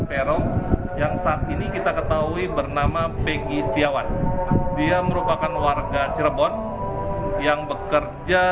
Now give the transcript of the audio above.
peron yang saat ini kita ketahui bernama begi setiawan dia merupakan warga cirebon yang bekerja